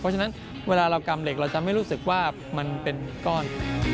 เพราะฉะนั้นเวลาเรากำเหล็กเราจะไม่รู้สึกว่ามันเป็นก้อน